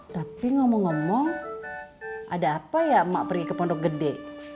tapi ngomong ngomong ada apa ya emak pergi ke pondok gede